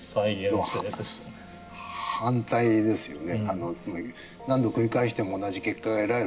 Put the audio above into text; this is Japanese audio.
反対ですよね？